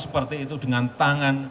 seperti itu dengan tangan